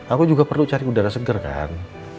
aku juga perlu cari udara segar kan